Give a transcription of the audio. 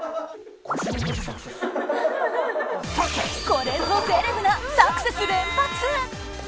これぞセレブなサクセス連発！